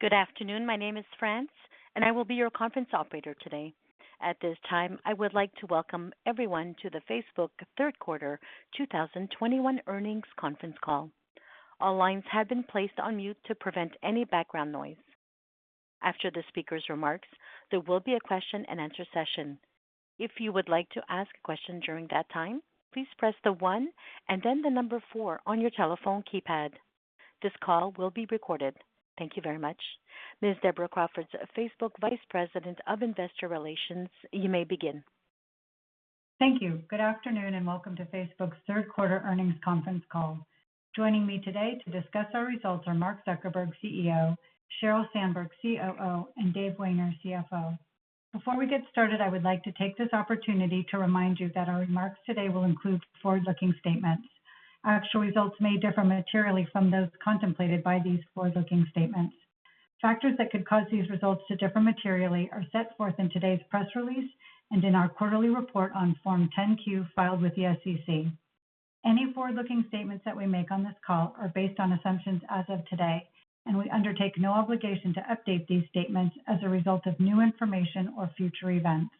Good afternoon. My name is France, and I will be your conference operator today. At this time, I would like to welcome everyone to the Facebook third quarter 2021 earnings conference call. All lines have been placed on mute to prevent any background noise. After the speaker's remarks, there will be a question and answer session. If you would like to ask a question during that time, please press the one and then the number four on your telephone keypad. This call will be recorded. Thank you very much. Ms. Deborah Crawford, Facebook Vice President of Investor Relations, you may begin. Thank you. Good afternoon, and welcome to Facebook's third quarter earnings conference call. Joining me today to discuss our results are Mark Zuckerberg, CEO, Sheryl Sandberg, COO, and Dave Wehner, CFO. Before we get started, I would like to take this opportunity to remind you that our remarks today will include forward-looking statements. Actual results may differ materially from those contemplated by these forward-looking statements. Factors that could cause these results to differ materially are set forth in today's press release and in our quarterly report on Form 10-Q filed with the SEC. Any forward-looking statements that we make on this call are based on assumptions as of today, and we undertake no obligation to update these statements as a result of new information or future events.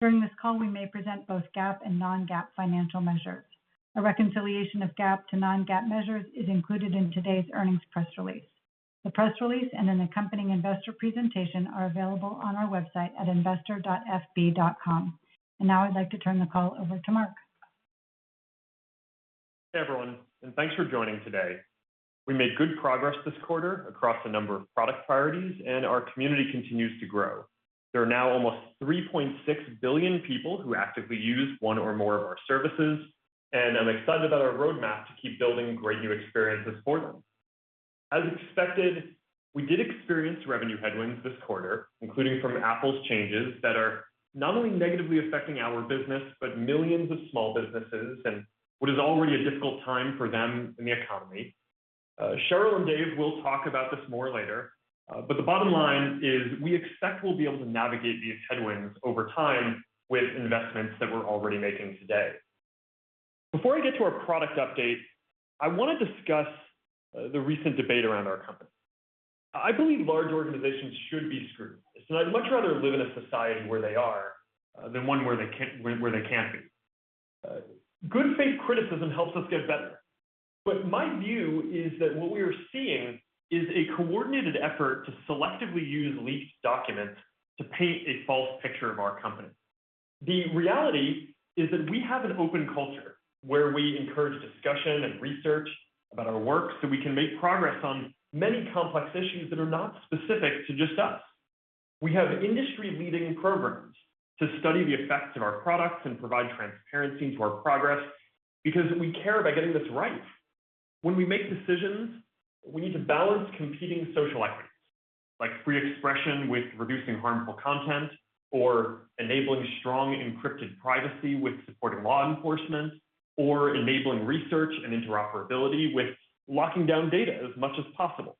During this call, we may present both GAAP and non-GAAP financial measures. A reconciliation of GAAP to non-GAAP measures is included in today's earnings press release. The press release and an accompanying investor presentation are available on our website at investor.fb.com. Now I'd like to turn the call over to Mark. Hey everyone, and thanks for joining today. We made good progress this quarter across a number of product priorities, and our community continues to grow. There are now almost 3.6 billion people who actively use one or more of our services, and I'm excited about our roadmap to keep building great new experiences for them. As expected, we did experience revenue headwinds this quarter, including from Apple's changes that are not only negatively affecting our business, but millions of small businesses in what is already a difficult time for them in the economy. Sheryl and Dave will talk about this more later. The bottom line is we expect we'll be able to navigate these headwinds over time with investments that we're already making today. Before I get to our product update, I want to discuss the recent debate around our company. I believe large organizations should be scrutinized, and I'd much rather live in a society where they are than one where they can't be. Good faith criticism helps us get better, but my view is that what we are seeing is a coordinated effort to selectively use leaked documents to paint a false picture of our company. The reality is that we have an open culture where we encourage discussion and research about our work so we can make progress on many complex issues that are not specific to just us. We have industry-leading programs to study the effects of our products and provide transparency into our progress because we care about getting this right. When we make decisions, we need to balance competing social equities like free expression with reducing harmful content, or enabling strong encrypted privacy with supporting law enforcement, or enabling research and interoperability with locking down data as much as possible.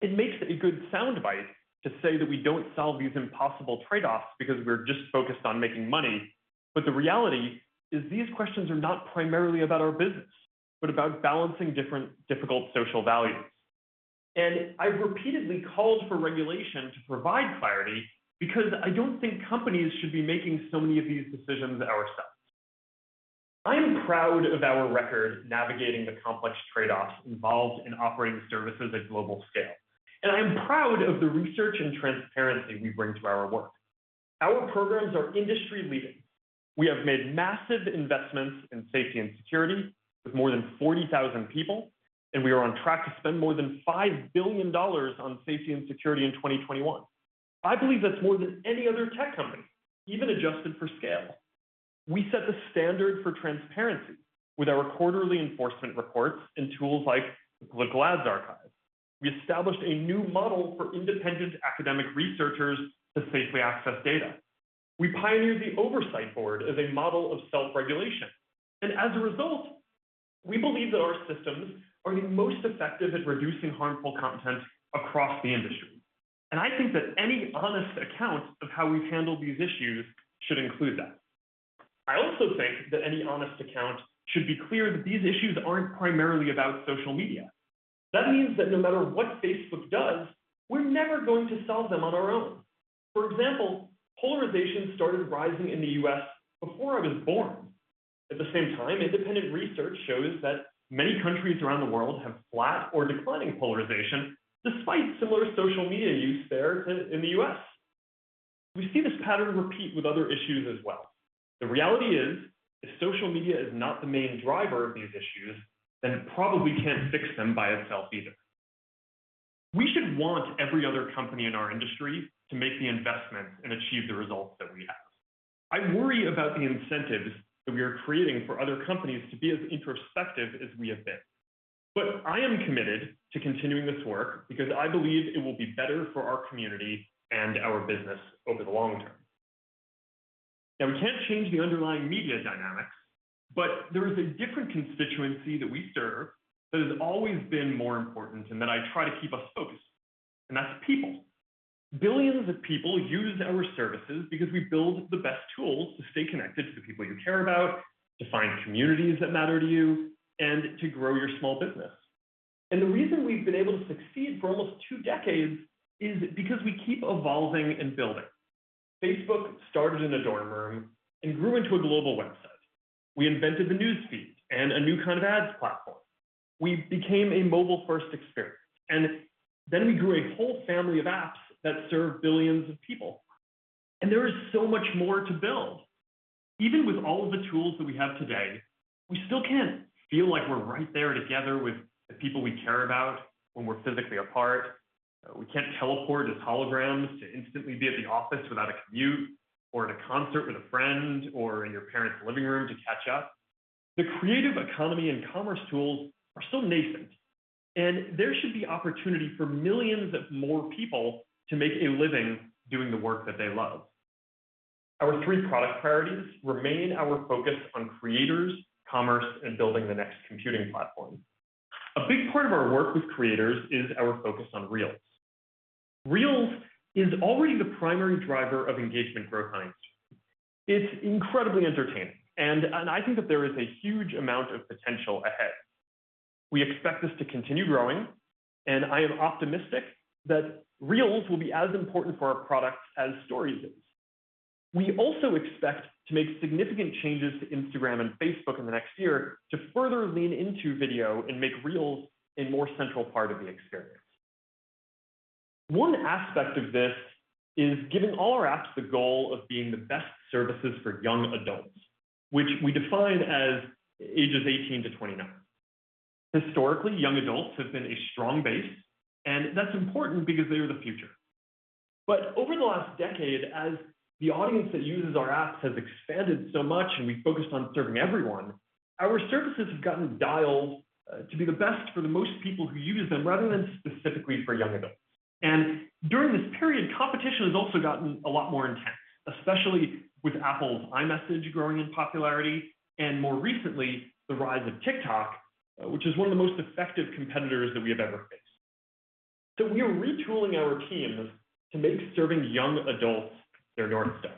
It makes a good soundbite to say that we don't solve these impossible trade-offs because we're just focused on making money, but the reality is these questions are not primarily about our business, but about balancing different difficult social values. I've repeatedly called for regulation to provide clarity because I don't think companies should be making so many of these decisions ourselves. I am proud of our record navigating the complex trade-offs involved in operating services at global scale, and I am proud of the research and transparency we bring to our work. Our programs are industry leading. We have made massive investments in safety and security with more than 40,000 people, we are on track to spend more than $5 billion on safety and security in 2021. I believe that's more than any other tech company, even adjusted for scale. We set the standard for transparency with our quarterly enforcement reports and tools like the Ad Library. We established a new model for independent academic researchers to safely access data. We pioneered the Oversight Board as a model of self-regulation, as a result, we believe that our systems are the most effective at reducing harmful content across the industry. I think that any honest account of how we've handled these issues should include that. I also think that any honest account should be clear that these issues aren't primarily about social media. That means that no matter what Facebook does, we're never going to solve them on our own. For example, polarization started rising in the U.S. before I was born. At the same time, independent research shows that many countries around the world have flat or declining polarization despite similar social media use there in the U.S. We see this pattern repeat with other issues as well. The reality is, if social media is not the main driver of these issues, then it probably can't fix them by itself either. We should want every other company in our industry to make the investments and achieve the results that we have. I worry about the incentives that we are creating for other companies to be as introspective as we have been. I am committed to continuing this work because I believe it will be better for our community and our business over the long term. We can't change the underlying media dynamics. There is a different constituency that we serve that has always been more important and that I try to keep us focused. Billions of people use our services because we build the best tools to stay connected to the people you care about, to find communities that matter to you, and to grow your small business. The reason we've been able to succeed for almost two decades is because we keep evolving and building. Facebook started in a dorm room and grew into a global website. We invented the News Feed and a new kind of ads platform. We became a mobile-first experience, and then we grew a whole Family of Apps that serve billions of people. There is so much more to build. Even with all of the tools that we have today, we still can't feel like we're right there together with the people we care about when we're physically apart. We can't teleport as holograms to instantly be at the office without a commute, or at a concert with a friend, or in your parents' living room to catch up. The creative economy and commerce tools are still nascent, and there should be opportunity for millions of more people to make a living doing the work that they love. Our three product priorities remain our focus on creators, commerce, and building the next computing platform. A big part of our work with creators is our focus on Reels. Reels is already the primary driver of engagement growth on Instagram. It's incredibly entertaining, and I think that there is a huge amount of potential ahead. We expect this to continue growing, and I am optimistic that Reels will be as important for our product as Stories is. We also expect to make significant changes to Instagram and Facebook in the next year to further lean into video and make Reels a more central part of the experience. One aspect of this is giving all our apps the goal of being the best services for young adults, which we define as ages 18-29 years. Historically, young adults have been a strong base, and that's important because they are the future. Over the last decade, as the audience that uses our apps has expanded so much and we focused on serving everyone, our services have gotten dialed to be the best for the most people who use them, rather than specifically for young adults. During this period, competition has also gotten a lot more intense, especially with Apple's iMessage growing in popularity and, more recently, the rise of TikTok, which is one of the most effective competitors that we have ever faced. We are retooling our teams to make serving young adults their north star,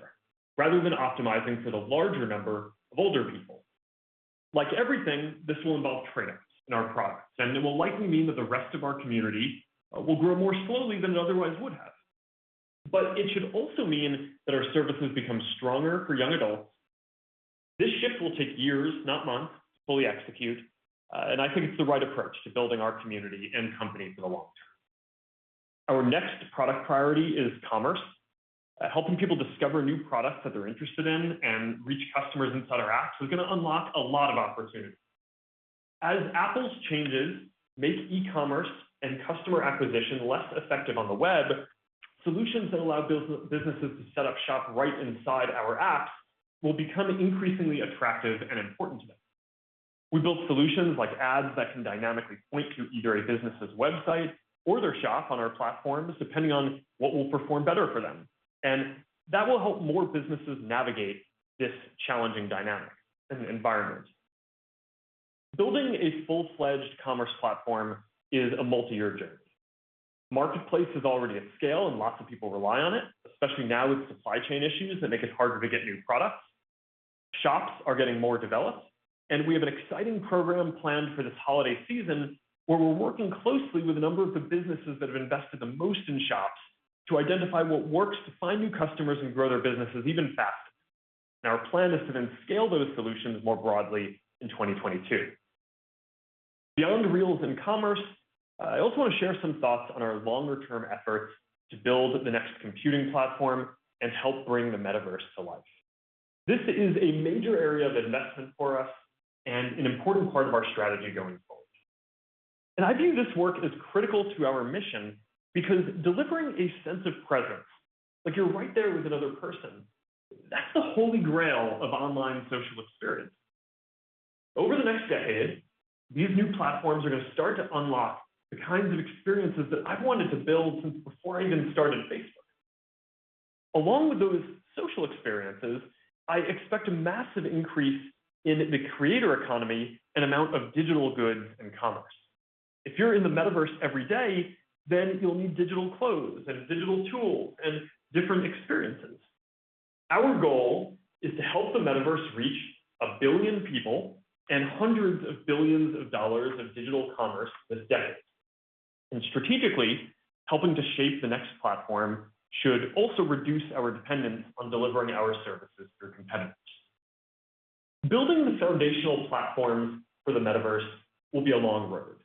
rather than optimizing for the larger number of older people. Like everything, this will involve trade-offs in our products, and it will likely mean that the rest of our community will grow more slowly than it otherwise would have. It should also mean that our services become stronger for young adults. This shift will take years, not months, to fully execute, and I think it's the right approach to building our community and company for the long term. Our next product priority is commerce. Helping people discover new products that they're interested in and reach customers inside our apps is going to unlock a lot of opportunity. As Apple's changes make e-commerce and customer acquisition less effective on the web, solutions that allow businesses to set up shop right inside our apps will become increasingly attractive and important to them. We build solutions like ads that can dynamically point to either a business's website or its shop on our platforms, depending on what will perform better for them, and that will help more businesses navigate this challenging dynamic and environment. Building a full-fledged commerce platform is a multi-year journey. Marketplace is already at scale. Lots of people rely on it, especially now with supply chain issues that make it harder to get new products. Shops are getting more developed. We have an exciting program planned for this holiday season where we're working closely with a number of the businesses that have invested the most in Shops to identify what works to find new customers and grow their businesses even faster. Our plan is to then scale those solutions more broadly in 2022. Beyond Reels and commerce, I also want to share some thoughts on our longer-term efforts to build the next computing platform and help bring the metaverse to life. This is a major area of investment for us and an important part of our strategy going forward. I view this work as critical to our mission because delivering a sense of presence, like you're right there with another person, that's the holy grail of online social experience. Over the next decade, these new platforms are going to start to unlock the kinds of experiences that I've wanted to build since before I even started Facebook. Along with those social experiences, I expect a massive increase in the creator economy and amount of digital goods in commerce. If you're in the metaverse every day, then you'll need digital clothes and digital tools and different experiences. Our goal is to help the metaverse reach 1 billion people and hundreds of billions of dollars of digital commerce this decade. Strategically, helping to shape the next platform should also reduce our dependence on delivering our services through competitors. Building the foundational platforms for the metaverse will be a long road.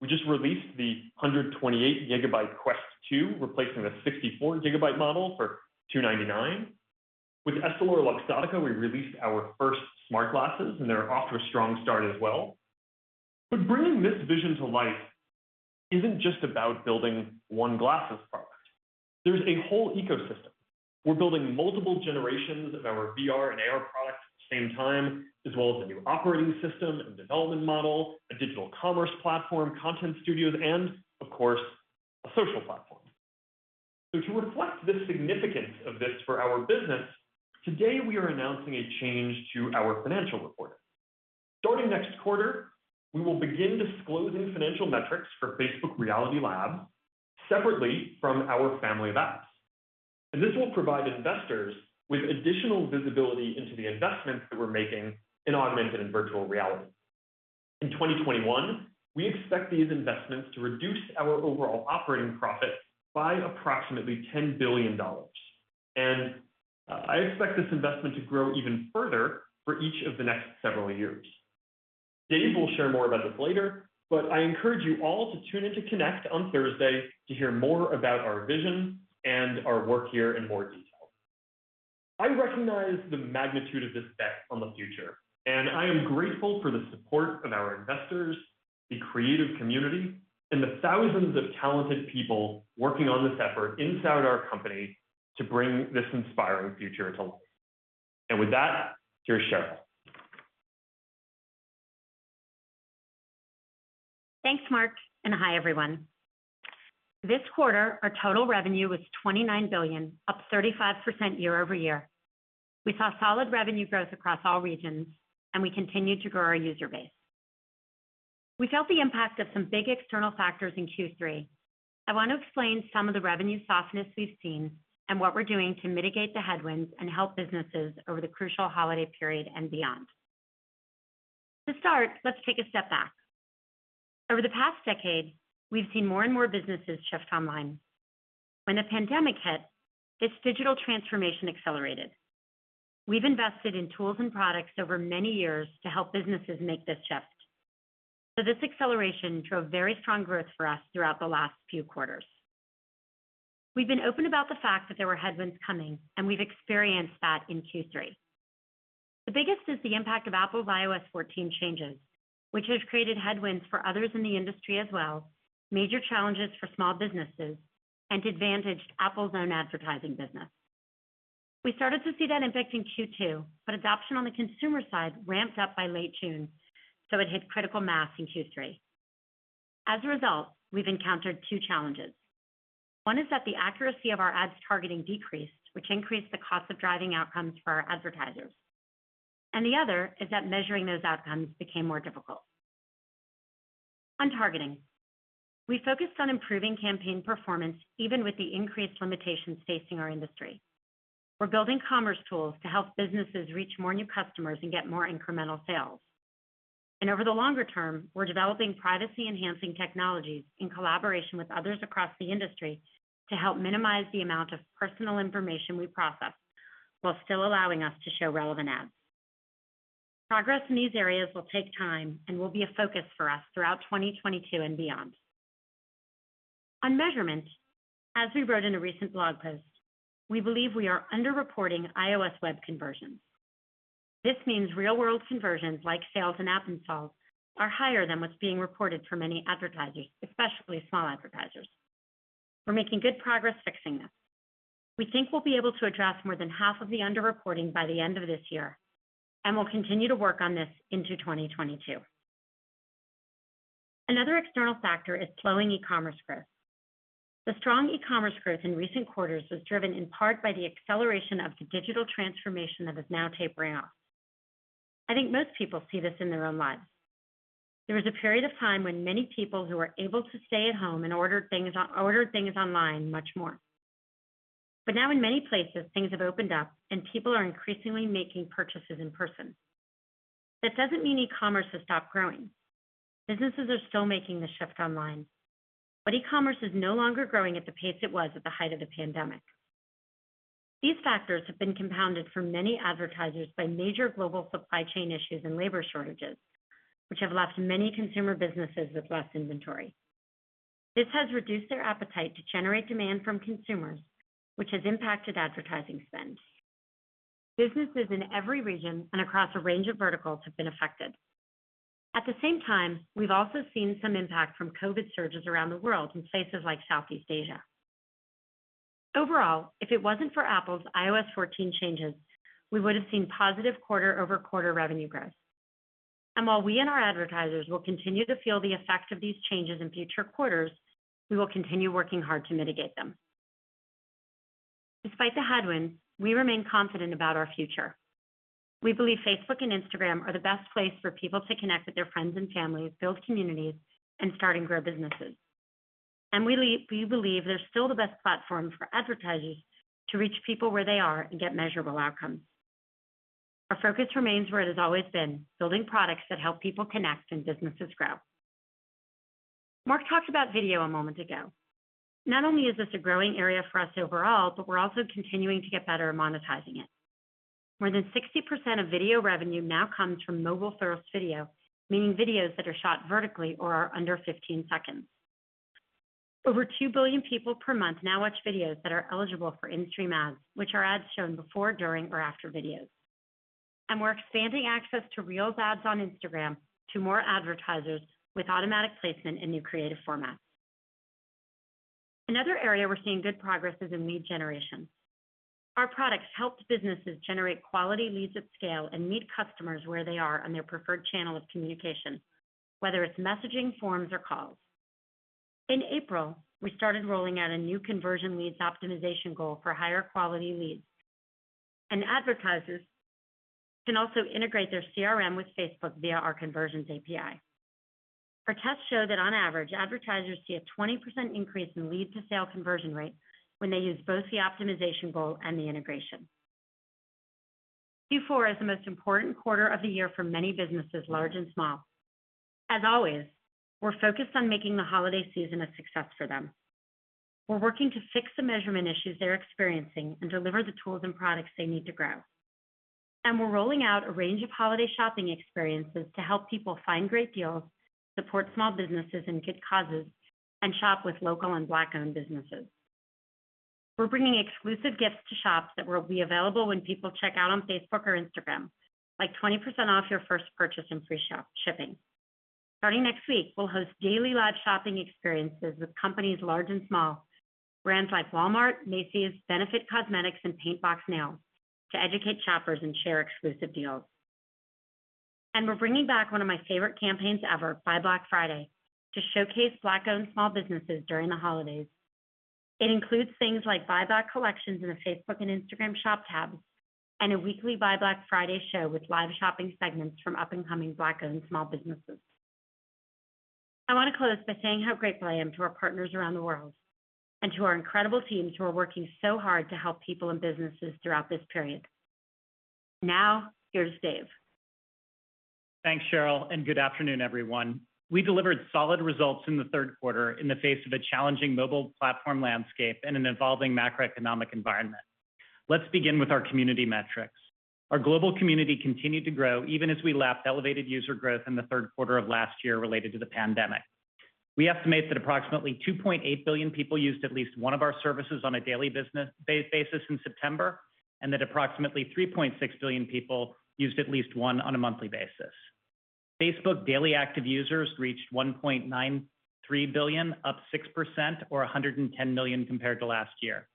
We just released the 128 GB Quest 2, replacing the 64 GB model for $299. With EssilorLuxottica, we released our first smart glasses, and they're off to a strong start as well. Bringing this vision to life isn't just about building one glasses product. There's a whole ecosystem. We're building multiple generations of our VR and AR products at the same time, as well as a new operating system and development model, a digital commerce platform, content studios, and, of course, a social platform. To reflect the significance of this for our business, today we are announcing a change to our financial reporting. Starting next quarter, we will begin disclosing financial metrics for Facebook Reality Labs separately from our Family of Apps. This will provide investors with additional visibility into the investments that we're making in augmented and virtual reality. In 2021, we expect these investments to reduce our overall operating profit by approximately $10 billion. I expect this investment to grow even further for each of the next several years. Dave will share more about this later, but I encourage you all to tune in to Connect on Thursday to hear more about our vision and our work here in more detail. I recognize the magnitude of this bet on the future, and I am grateful for the support of our investors, the creative community, and the thousands of talented people working on this effort inside our company to bring this inspiring future to life. With that, here's Sheryl. Thanks, Mark. Hi, everyone. This quarter, our total revenue was $29 billion, up 35% year-over-year. We saw solid revenue growth across all regions, and we continued to grow our user base. We felt the impact of some big external factors in Q3. I want to explain some of the revenue softness we've seen and what we're doing to mitigate the headwinds and help businesses over the crucial holiday period and beyond. To start, let's take a step back. Over the past decade, we've seen more and more businesses shift online. When the pandemic hit, this digital transformation accelerated. We've invested in tools and products over many years to help businesses make this shift. This acceleration drove very strong growth for us throughout the last few quarters. We've been open about the fact that there were headwinds coming, and we've experienced that in Q3. The biggest is the impact of Apple's iOS 14 changes, which have created headwinds for others in the industry as well, major challenges for small businesses, and advantaged Apple's own advertising business. We started to see that impact in Q2, but adoption on the consumer side ramped up by late June, so it hit critical mass in Q3. As a result, we've encountered two challenges. One is that the accuracy of our ads targeting decreased, which increased the cost of driving outcomes for our advertisers. The other is that measuring those outcomes became more difficult. On targeting, we focused on improving campaign performance, even with the increased limitations facing our industry. We're building commerce tools to help businesses reach more new customers and get more incremental sales. Over the longer term, we're developing privacy-enhancing technologies in collaboration with others across the industry to help minimize the amount of personal information we process while still allowing us to show relevant ads. Progress in these areas will take time and will be a focus for us throughout 2022 and beyond. On measurement, as we wrote in a recent blog post, we believe we are under-reporting iOS web conversions. This means real-world conversions, like sales and app installs, are higher than what's being reported for many advertisers, especially small advertisers. We're making good progress fixing this. We think we'll be able to address more than half of the under-reporting by the end of this year, and we'll continue to work on this into 2022. Another external factor is slowing e-commerce growth. The strong e-commerce growth in recent quarters was driven in part by the acceleration of the digital transformation that is now tapering off. I think most people see this in their own lives. There was a period of time when many people who were able to, stayed at home and ordered things online much more. Now, in many places, things have opened up and people are increasingly making purchases in person. That doesn't mean e-commerce has stopped growing. Businesses are still making the shift online, but e-commerce is no longer growing at the pace it was at the height of the pandemic. These factors have been compounded for many advertisers by major global supply chain issues and labor shortages, which have left many consumer businesses with less inventory. This has reduced their appetite to generate demand from consumers, which has impacted advertising spend. Businesses in every region and across a range of verticals have been affected. At the same time, we've also seen some impact from COVID surges around the world in places like Southeast Asia. Overall, if it wasn't for Apple's iOS 14 changes, we would've seen positive quarter-over-quarter revenue growth. While we and our advertisers will continue to feel the effect of these changes in future quarters, we will continue working hard to mitigate them. Despite the headwinds, we remain confident about our future. We believe Facebook and Instagram are the best place for people to connect with their friends and families, build communities, and start and grow businesses. We believe they're still the best platform for advertisers to reach people where they are and get measurable outcomes. Our focus remains where it has always been, building products that help people connect and businesses grow. Mark talked about video a moment ago. Not only is this a growing area for us overall, but we're also continuing to get better at monetizing it. More than 60% of video revenue now comes from mobile-first video, meaning videos that are shot vertically or are under 15 seconds. Over 2 billion people per month now watch videos that are eligible for in-stream ads, which are ads shown before, during, or after videos. We're expanding access to Reels ads on Instagram to more advertisers with automatic placement and new creative formats. Another area we're seeing good progress is in lead generation. Our products helped businesses generate quality leads at scale and meet customers where they are on their preferred channel of communication, whether it's messaging, forms, or calls. In April, we started rolling out a new conversion leads optimization goal for higher quality leads. Advertisers can also integrate their CRM with Facebook via our Conversions API. Our tests show that on average, advertisers see a 20% increase in lead to sale conversion rate when they use both the optimization goal and the integration. Q4 is the most important quarter of the year for many businesses, large and small. As always, we're focused on making the holiday season a success for them. We're working to fix the measurement issues they're experiencing and deliver the tools and products they need to grow. We're rolling out a range of holiday shopping experiences to help people find great deals, support small businesses and good causes, and shop with local and Black-owned businesses. We're bringing exclusive gifts to Shops that will be available when people check out on Facebook or Instagram, like 20% off your first purchase and free shipping. Starting next week, we'll host daily live shopping experiences with companies large and small, brands like Walmart, Macy's, Benefit Cosmetics, and Paintbox Nails, to educate shoppers and share exclusive deals. We're bringing back one of my favorite campaigns ever, BuyBlack Friday, to showcase Black-owned small businesses during the holidays. It includes things like BuyBlack collections in the Facebook and Instagram Shops, and a weekly BuyBlack Friday show with live shopping segments from up-and-coming Black-owned small businesses. I want to close by saying how grateful I am to our partners around the world, and to our incredible teams who are working so hard to help people and businesses throughout this period. Here's Dave. Thanks, Sheryl, and good afternoon, everyone. We delivered solid results in the third quarter in the face of a challenging mobile platform landscape and an evolving macroeconomic environment. Let's begin with our community metrics. Our global community continued to grow even as we lapped elevated user growth in the third quarter of last year related to the pandemic. We estimate that approximately 2.8 billion people used at least one of our services on a daily basis in September, and that approximately 3.6 billion people used at least one on a monthly basis. Facebook daily active users reached 1.93 billion, up 6% or 110 million compared to last year.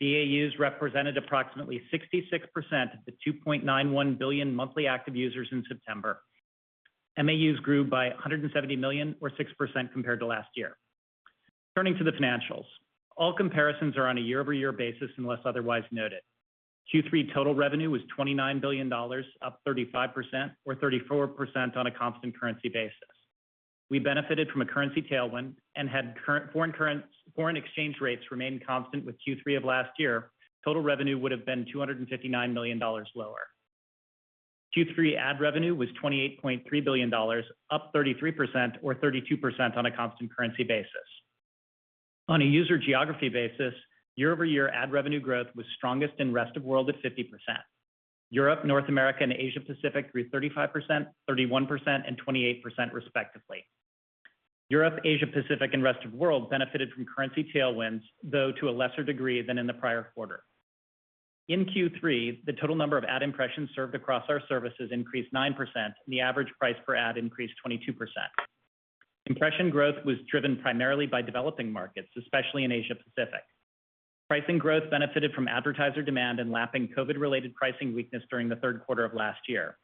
DAUs represented approximately 66% of the 2.91 billion monthly active users in September. MAUs grew by 170 million or 6% compared to last year. Turning to the financials. All comparisons are on a year-over-year basis unless otherwise noted. Q3 total revenue was $29 billion, up 35% or 34% on a constant currency basis. We benefited from a currency tailwind and had foreign exchange rates remain constant with Q3 of last year, total revenue would have been $259 million lower. Q3 ad revenue was $28.3 billion, up 33% or 32% on a constant currency basis. On a user geography basis, year-over-year ad revenue growth was strongest in rest of world at 50%. Europe, North America, and Asia-Pacific grew 35%, 31%, and 28% respectively. Europe, Asia-Pacific, and rest of world benefited from currency tailwinds, though to a lesser degree than in the prior quarter. In Q3, the total number of ad impressions served across our services increased 9% and the average price per ad increased 22%. Impression growth was driven primarily by developing markets, especially in Asia-Pacific. Pricing growth benefited from advertiser demand and lapping COVID-related pricing weakness during the third quarter of last year.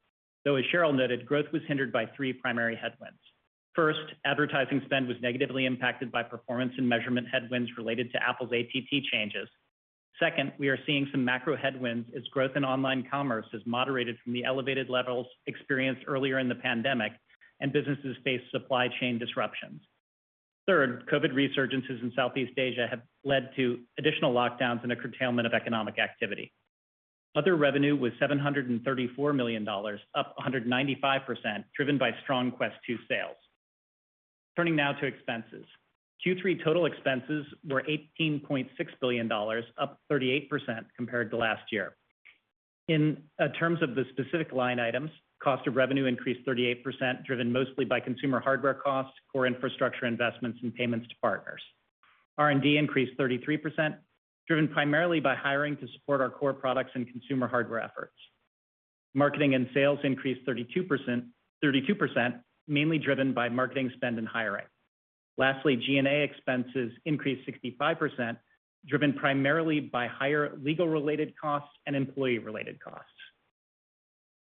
As Sheryl noted, growth was hindered by three primary headwinds. First, advertising spend was negatively impacted by performance and measurement headwinds related to Apple's ATT changes. Second, we are seeing some macro headwinds as growth in online commerce has moderated from the elevated levels experienced earlier in the pandemic and businesses face supply chain disruptions. Third, COVID resurgences in Southeast Asia have led to additional lockdowns and a curtailment of economic activity. Other revenue was $734 million, up 195%, driven by strong Quest 2 sales. Turning now to expenses. Q3 total expenses were $18.6 billion, up 38% compared to last year. In terms of the specific line items, cost of revenue increased 38% driven mostly by consumer hardware costs, core infrastructure investments, and payments to partners. R&D increased 33% driven primarily by hiring to support our core products and consumer hardware efforts. Marketing and sales increased 32%, mainly driven by marketing spend and hiring. Lastly, G&A expenses increased 65%, driven primarily by higher legal-related costs and employee-related costs.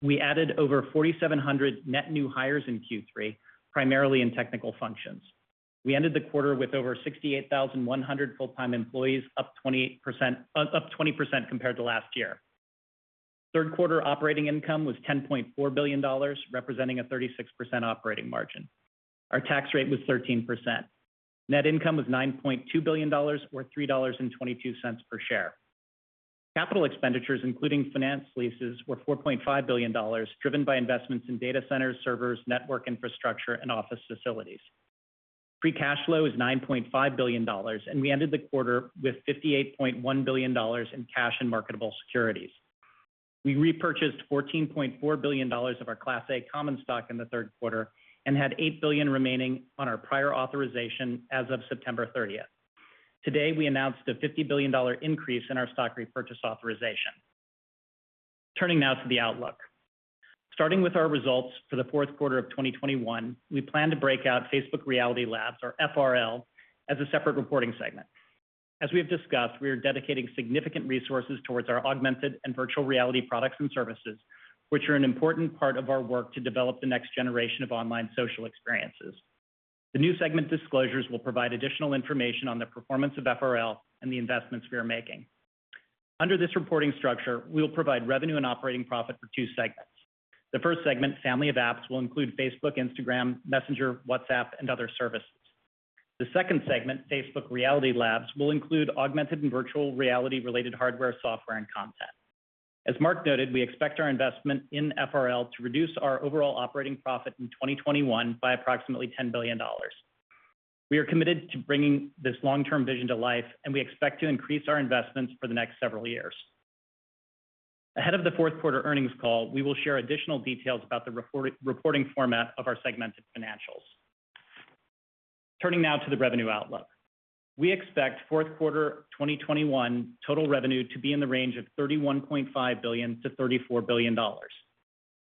We added over 4,700 net new hires in Q3, primarily in technical functions. We ended the quarter with over 68,100 full-time employees, up 20% compared to last year. Third quarter operating income was $10.4 billion, representing a 36% operating margin. Our tax rate was 13%. Net income was $9.2 billion or $3.22 per share. Capital expenditures, including finance leases, were $4.5 billion, driven by investments in data centers, servers, network infrastructure, and office facilities. Free cash flow is $9.5 billion, and we ended the quarter with $58.1 billion in cash and marketable securities. We repurchased $14.4 billion of our Class A common stock in the third quarter and had $8 billion remaining on our prior authorization as of September 30th. Today, we announced a $50 billion increase in our stock repurchase authorization. Turning now to the outlook. Starting with our results for the fourth quarter of 2021, we plan to break out Facebook Reality Labs, or FRL, as a separate reporting segment. As we have discussed, we are dedicating significant resources towards our augmented and virtual reality products and services, which are an important part of our work to develop the next generation of online social experiences. The new segment disclosures will provide additional information on the performance of FRL and the investments we are making. Under this reporting structure, we will provide revenue and operating profit for two segments. The first segment, Family of Apps, will include Facebook, Instagram, Messenger, WhatsApp, and other services. The second segment, Facebook Reality Labs, will include augmented and virtual reality-related hardware, software, and content. As Mark noted, we expect our investment in FRL to reduce our overall operating profit in 2021 by approximately $10 billion. We are committed to bringing this long-term vision to life, and we expect to increase our investments for the next several years. Ahead of the fourth quarter earnings call, we will share additional details about the reporting format of our segmented financials. Turning now to the revenue outlook. We expect fourth quarter 2021 total revenue to be in the range of $31.5 billion-$34 billion.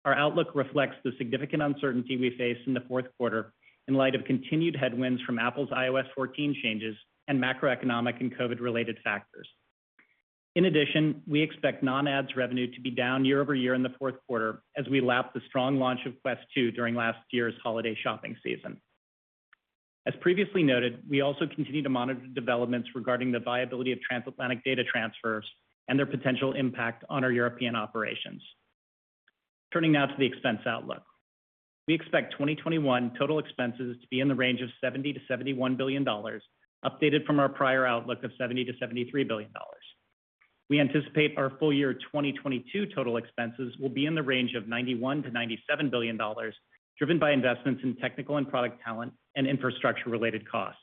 Our outlook reflects the significant uncertainty we face in the fourth quarter in light of continued headwinds from Apple's iOS 14 changes and macroeconomic and COVID-related factors. In addition, we expect non-ads revenue to be down year-over-year in the fourth quarter as we lap the strong launch of Quest 2 during last year's holiday shopping season. As previously noted, we also continue to monitor developments regarding the viability of transatlantic data transfers and their potential impact on our European operations. Turning now to the expense outlook. We expect 2021 total expenses to be in the range of $70 billion-$71 billion, updated from our prior outlook of $70 billion-$73 billion. We anticipate our full year 2022 total expenses will be in the range of $91 billion-$97 billion, driven by investments in technical and product talent and infrastructure-related costs.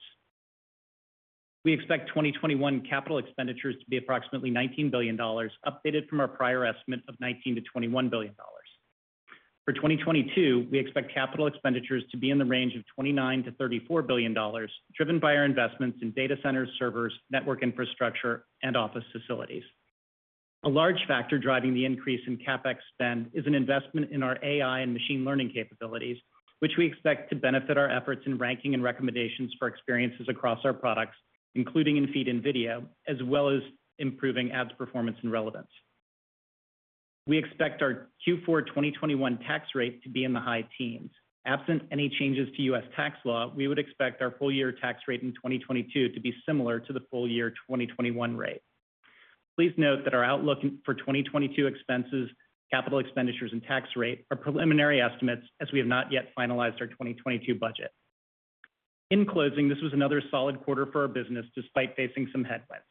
We expect 2021 capital expenditures to be approximately $19 billion, updated from our prior estimate of $19 billion-$21 billion. For 2022, we expect capital expenditures to be in the range of $29 billion-$34 billion, driven by our investments in data centers, servers, network infrastructure, and office facilities. A large factor driving the increase in CapEx spend is an investment in our AI and machine learning capabilities, which we expect to benefit our efforts in ranking and recommendations for experiences across our products, including in Feed and video, as well as improving ads performance and relevance. We expect our Q4 2021 tax rate to be in the high teens. Absent any changes to U.S. tax law, we would expect our full-year tax rate in 2022 to be similar to the full-year 2021 rate. Please note that our outlook for 2022 expenses, capital expenditures, and tax rate are preliminary estimates, as we have not yet finalized our 2022 budget. In closing, this was another solid quarter for our business, despite facing some headwinds.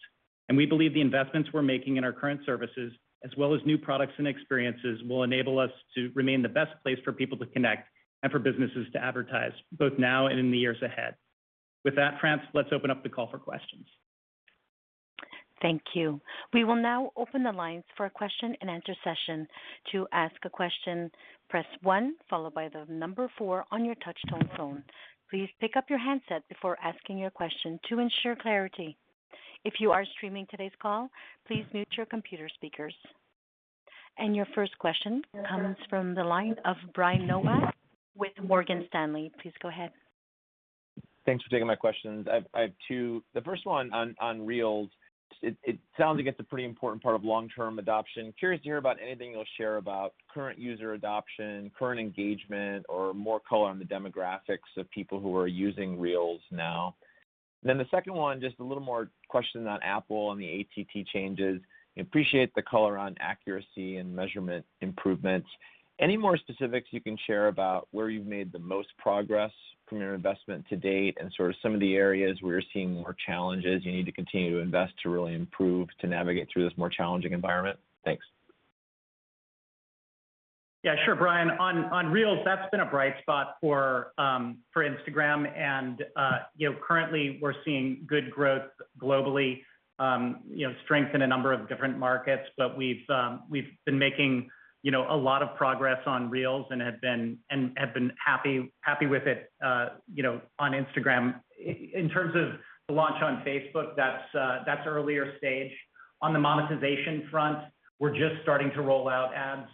We believe the investments we're making in our current services, as well as new products and experiences, will enable us to remain the best place for people to connect and for businesses to advertise, both now and in the years ahead. With that, France, let's open up the call for questions. Thank you. We will now open the lines for a question-and-answer session. To ask a question, press one, followed by the number four on your touchtone phone. Please pick up your handset before asking your question to ensure clarity. If you are streaming today's call, please mute your computer speakers. Your first question comes from the line of Brian Nowak with Morgan Stanley. Please go ahead. Thanks for taking my questions. I have two. The first one on Reels. It sounds like it's a pretty important part of long-term adoption. Curious to hear about anything you'll share about current user adoption, current engagement, or more color on the demographics of people who are using Reels now. The second one, just a little more question on Apple and the ATT changes. Appreciate the color on accuracy and measurement improvements. Any more specifics you can share about where you've made the most progress from your investment to date and sort of some of the areas where you're seeing more challenges you need to continue to invest to really improve to navigate through this more challenging environment? Yeah, sure, Brian. On Reels, that's been a bright spot for Instagram and currently we're seeing good growth globally, strength in a number of different markets. We've been making a lot of progress on Reels and have been happy with it on Instagram. In terms of the launch on Facebook, that's earlier stage. On the monetization front, we're just starting to roll out ads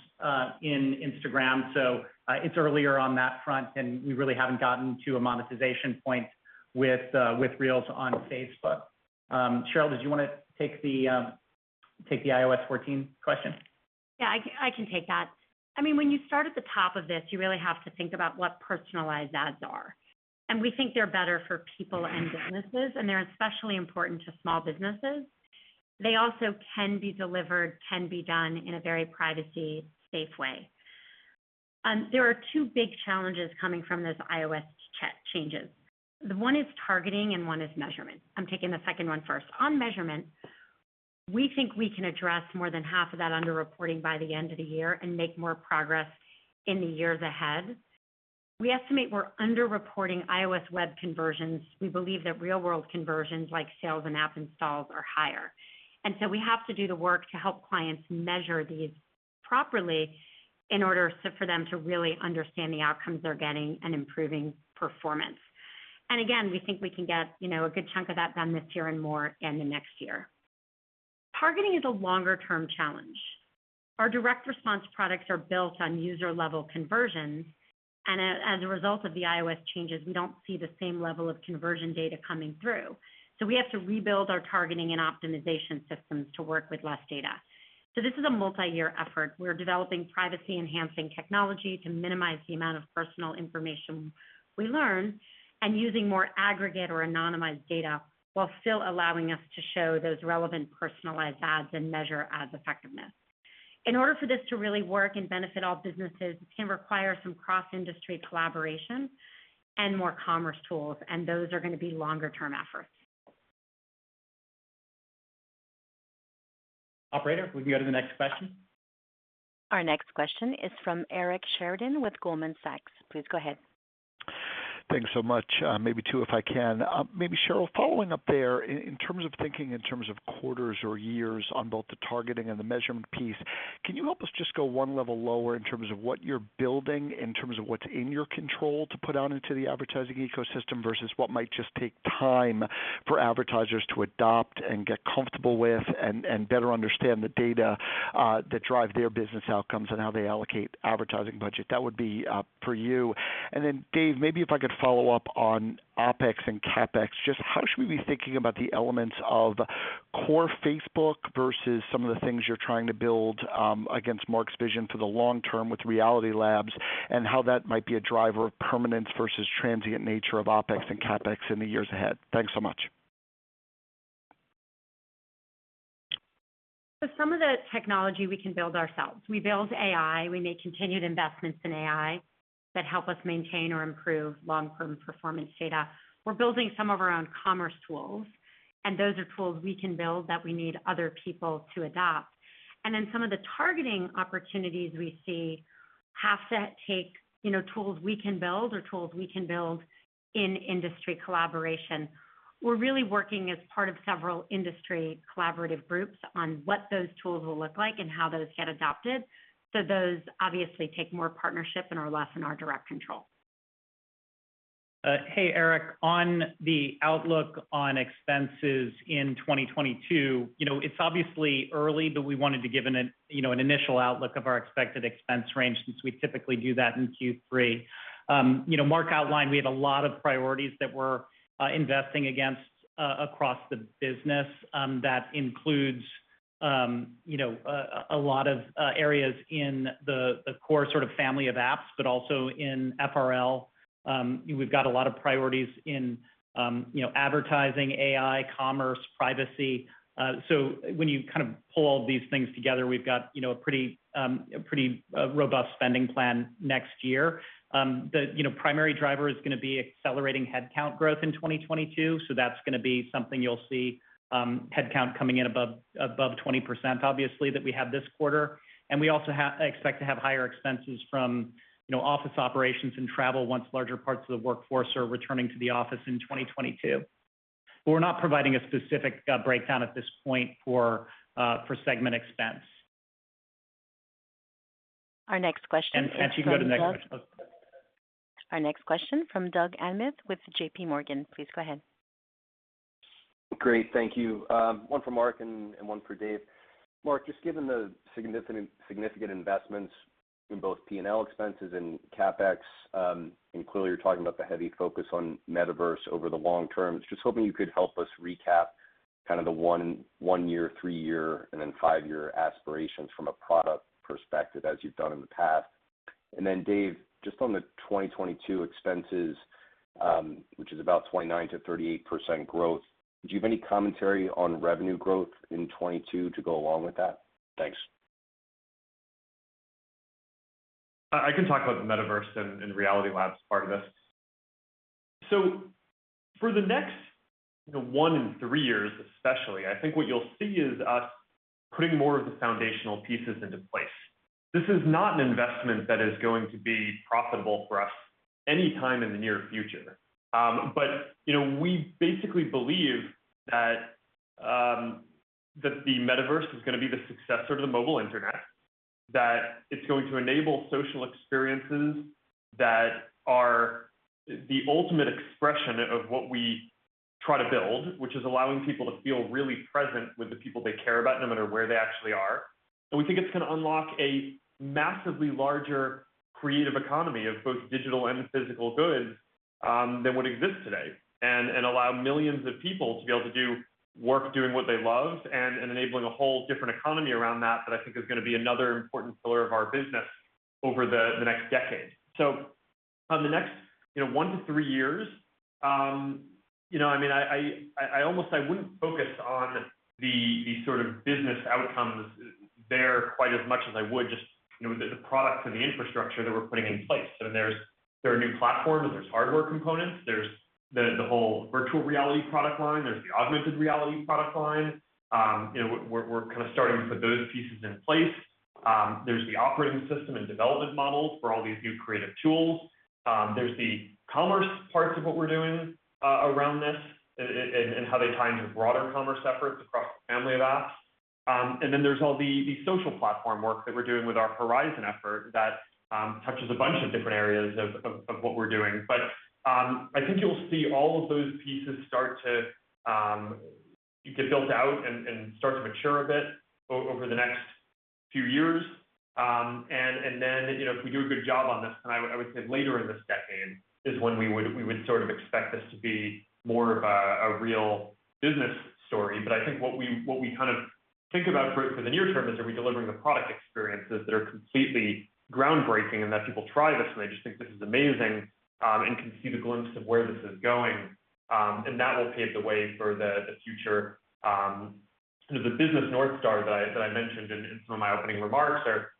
in Instagram, so it's earlier on that front, and we really haven't gotten to a monetization point with Reels on Facebook. Sheryl, did you want to take the iOS 14 question? Yeah, I can take that. When you start at the top of this, you really have to think about what personalized ads are. We think they're better for people and businesses, and they're especially important to small businesses. They also can be done in a very privacy-safe way. There are two big challenges coming from those iOS changes. One is targeting and one is measurement. I'm taking the second one first. On measurement, we think we can address more than half of that under-reporting by the end of the year and make more progress in the years ahead. We estimate we're under-reporting iOS web conversions. We believe that real-world conversions like sales and app installs are higher. We have to do the work to help clients measure these properly in order for them to really understand the outcomes they're getting and improving performance. Again, we think we can get a good chunk of that done this year and more in the next year. Targeting is a longer-term challenge. Our direct response products are built on user-level conversions, and as a result of the iOS changes, we don't see the same level of conversion data coming through. We have to rebuild our targeting and optimization systems to work with less data. This is a multi-year effort. We're developing privacy-enhancing technology to minimize the amount of personal information we learn, and using more aggregate or anonymized data while still allowing us to show those relevant personalized ads and measure ads' effectiveness. In order for this to really work and benefit all businesses, it can require some cross-industry collaboration and more commerce tools, and those are going to be longer-term efforts. Operator, we can go to the next question. Our next question is from Eric Sheridan with Goldman Sachs. Please go ahead. Thanks so much. Maybe two, if I can. Maybe, Sheryl, following up there, in terms of thinking in terms of quarters or years on both the targeting and the measurement piece, can you help us just go one level lower in terms of what you're building, in terms of what's in your control to put out into the advertising ecosystem versus what might just take time for advertisers to adopt and get comfortable with and better understand the data that drive their business outcomes and how they allocate advertising budget? That would be for you. Dave, maybe if I could follow up on OpEx and CapEx, just how should we be thinking about the elements of core Facebook versus some of the things you're trying to build against Mark's vision for the long term with Reality Labs, and how that might be a driver of permanence versus transient nature of OpEx and CapEx in the years ahead? Thanks so much. Some of the technology we can build ourselves. We build AI, we make continued investments in AI that help us maintain or improve long-term performance data. We're building some of our own commerce tools, and those are tools we can build that we need other people to adopt. Then some of the targeting opportunities we see have to take tools we can build or tools we can build in industry collaboration. We're really working as part of several industry collaborative groups on what those tools will look like and how those get adopted. Those obviously take more partnership and are less in our direct control. Hey, Eric. On the outlook on expenses in 2022, it's obviously early, but we wanted to give an initial outlook of our expected expense range since we typically do that in Q3. Mark outlined we have a lot of priorities that we're investing against across the business. That includes a lot of areas in the core Family of Apps, but also in FRL. We've got a lot of priorities in advertising, AI, commerce, privacy. When you pull all these things together, we've got a pretty robust spending plan next year. The primary driver is going to be accelerating headcount growth in 2022, so that's going to be something you'll see, headcount coming in above 20%, obviously, that we had this quarter. We also expect to have higher expenses from office operations and travel once larger parts of the workforce are returning to the office in 2022. We're not providing a specific breakdown at this point for segment expense. Our next question is from Doug Anmuth. She can go to the next question. Our next question, from Doug Anmuth with JPMorgan. Please go ahead. Great, thank you. One for Mark and one for Dave. Mark, just given the significant investments in both P&L expenses and CapEx, and clearly you're talking about the heavy focus on Metaverse over the long term, just hoping you could help us recap the one year, three year, and then five year aspirations from a product perspective as you've done in the past. Dave, just on the 2022 expenses, which is about 29%-38% growth, do you have any commentary on revenue growth in 2022 to go along with that? Thanks. I can talk about the Metaverse and Reality Labs part of this. For the next one and three years especially, I think what you'll see is us putting more of the foundational pieces into place. This is not an investment that is going to be profitable for us anytime in the near future. We basically believe that the Metaverse is going to be the successor to the mobile internet, that it's going to enable social experiences that are the ultimate expression of what we try to build, which is allowing people to feel really present with the people they care about, no matter where they actually are. We think it's going to unlock a massively larger creative economy of both digital and physical goods than what exists today, and allow millions of people to be able to do work doing what they love and enabling a whole different economy around that I think is going to be another important pillar of our business over the next decade. On the next one to three years, I almost wouldn't focus on the sort of business outcomes there quite as much as I would just the product and the infrastructure that we're putting in place. There are new platforms, there's hardware components. There's the whole virtual reality product line. There's the augmented reality product line. We're kind of starting to put those pieces in place. There's the operating system and development models for all these new creative tools. There's the commerce parts of what we're doing around this and how they tie into broader commerce efforts across the Family of Apps. There's all the social platform work that we're doing with our Horizon effort that touches a bunch of different areas of what we're doing. I think you'll see all of those pieces start to get built out and start to mature a bit over the next few years. If we do a good job on this, then I would say later in this decade is when we would expect this to be more of a real business story. I think what we think about for the near term is are we delivering the product experiences that are completely groundbreaking and that people try this and they just think this is amazing, and can see the glimpse of where this is going. That will pave the way for the future. The business North Star that I mentioned in some of my opening remarks are,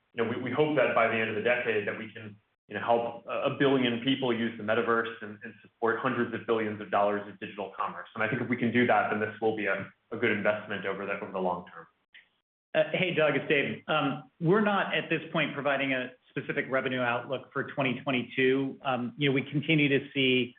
we hope that by the end of the decade that we can help one billion people use the Metaverse and support hundreds of billions of dollars of digital commerce. I think if we can do that, then this will be a good investment over the long term. Hey, Doug, it's Dave. We're not, at this point, providing a specific revenue outlook for 2022. We continue to see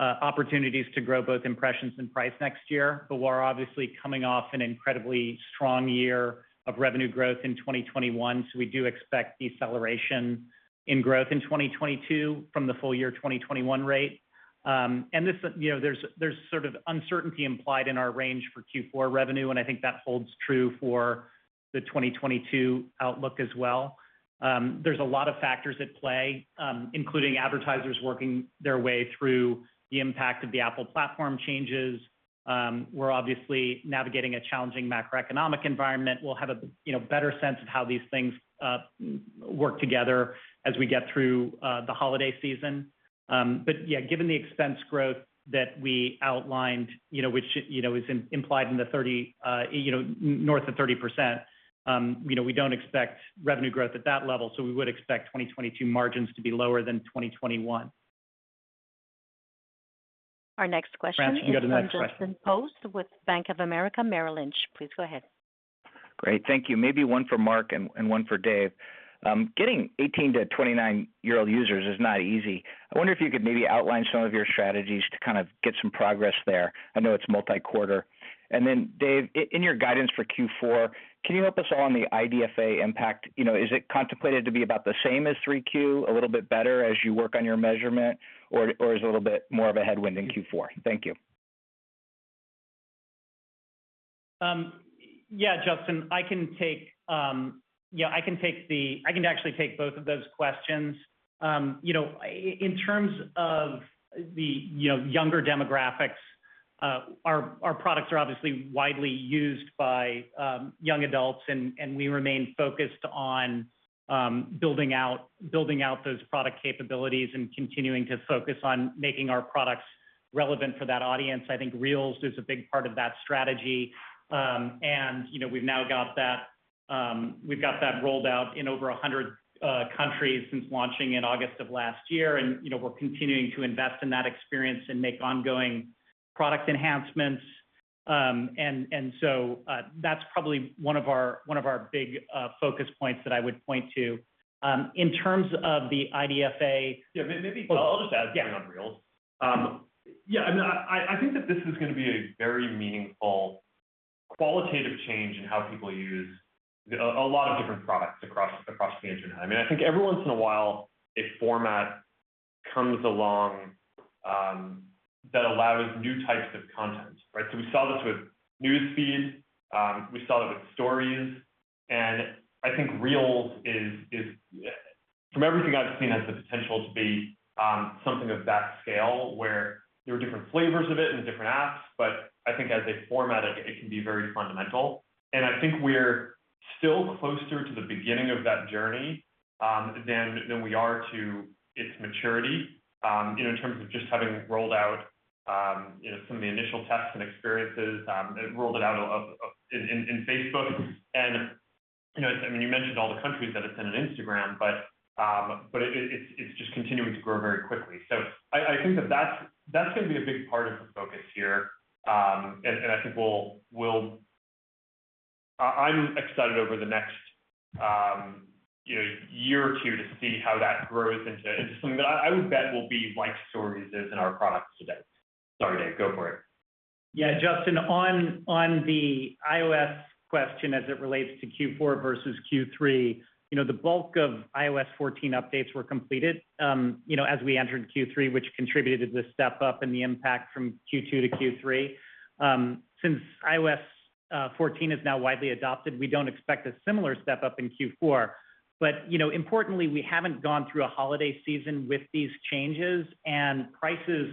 opportunities to grow both impressions and price next year. We're obviously coming off an incredibly strong year of revenue growth in 2021. We do expect deceleration in growth in 2022 from the full year 2021 rate. There's sort of uncertainty implied in our range for Q4 revenue. I think that holds true for the 2022 outlook as well. There's a lot of factors at play, including advertisers working their way through the impact of the Apple platform changes. We're obviously navigating a challenging macroeconomic environment. We'll have a better sense of how these things work together as we get through the holiday season. Yeah, given the expense growth that we outlined, which is implied north of 30%, we don't expect revenue growth at that level. We would expect 2022 margins to be lower than 2021. Our next question. France, can you go to the next question? Is from Justin Post with Bank of America Merrill Lynch. Please go ahead. Great. Thank you. Maybe one for Mark and one for Dave. Getting 18-29-year-old users is not easy. I wonder if you could maybe outline some of your strategies to kind of get some progress there. I know it's multi-quarter. Then Dave, in your guidance for Q4, can you help us all on the IDFA impact? Is it contemplated to be about the same as 3Q, a little bit better as you work on your measurement, or is it a little bit more of a headwind in Q4? Thank you. Yeah, Justin. I can actually take both of those questions. In terms of the younger demographics, our products are obviously widely used by young adults, and we remain focused on building out those product capabilities and continuing to focus on making our products relevant for that audience. I think Reels is a big part of that strategy. We've now got that rolled out in over 100 countries since launching in August of last year, and we're continuing to invest in that experience and make ongoing product enhancements. That's probably one of our big focus points that I would point to. In terms of the IDFA- Yeah. I'll just add something on Reels. Yeah. I think that this is going to be a very meaningful qualitative change in how people use a lot of different products across the internet. I think every once in a while, a format comes along that allows new types of content, right? We saw this with News Feed, we saw it with Stories, and I think Reels is, from everything I've seen, has the potential to be something of that scale where there are different flavors of it in different apps, but I think as a format, it can be very fundamental. I think we're still closer to the beginning of that journey than we are to its maturity, in terms of just having rolled out some of the initial tests and experiences, rolled it out in Facebook. You mentioned all the countries that it's in in Instagram, but it's just continuing to grow very quickly. I think that's going to be a big part of the focus here. I'm excited over the next year or two to see how that grows into something that I would bet will be like Stories is in our products today. Sorry, Dave. Go for it. Justin, on the iOS question as it relates to Q4 versus Q3, the bulk of iOS 14 updates were completed as we entered Q3, which contributed to the step up in the impact from Q2 to Q3. Since iOS 14 is now widely adopted, we don't expect a similar step-up in Q4. Importantly, we haven't gone through a holiday season with these changes, and prices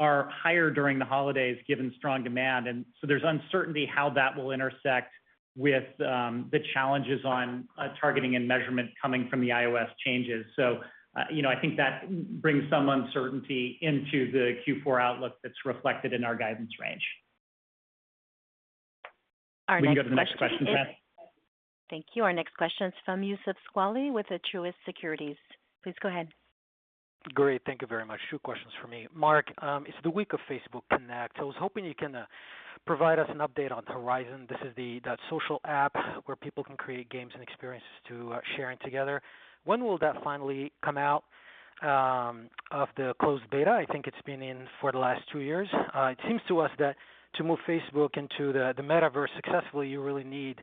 are higher during the holidays given strong demand. There's uncertainty how that will intersect with the challenges on targeting and measurement coming from the iOS changes. I think that brings some uncertainty into the Q4 outlook that's reflected in our guidance range. Will you go to the next question, France? Thank you. Our next question is from Youssef Squali with Truist Securities. Please go ahead. Great. Thank you very much. Two questions from me. Mark, it's the week of Meta Connect. I was hoping you can provide us an update on Horizon. This is that social app where people can create games and experiences to share together. When will that finally come out of the closed beta? I think it's been in for the last two years. It seems to us that to move Facebook into the Metaverse successfully, you really need